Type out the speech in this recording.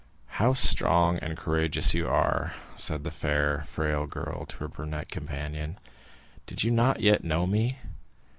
"How strong and courageous you are!" said the fair, frail girl to her brunette companion. "Did you not yet know me?